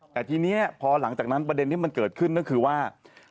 แต่ทีนี้พอหลังจากนั้นประเด็นที่มันเกิดขึ้นก็คือว่า